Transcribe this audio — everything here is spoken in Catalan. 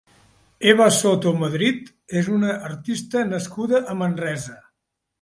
Eva Soto Madrid és una artista nascuda a Manresa.